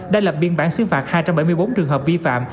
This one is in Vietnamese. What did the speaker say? đã lập biên bản xứ phạt hai trăm bảy mươi bốn trường hợp vi phạm